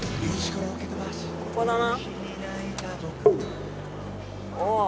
ここだな。